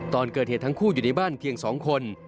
ตอนเกิดเหตุทั้งคู่อยู่ในบ้านเพียง๒คน